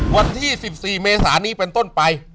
วันที่๑๔เมษานี้เป็นต้นไป